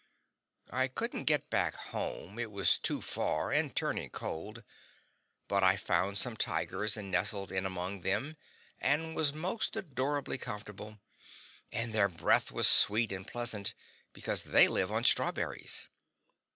I couldn't get back home; it was too far and turning cold; but I found some tigers and nestled in among them and was most adorably comfortable, and their breath was sweet and pleasant, because they live on strawberries.